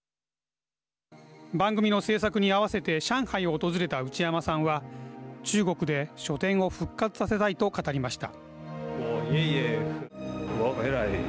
番組の制作に合わせて上海を訪れた内山さんは中国で書店を復活させたいと語りました。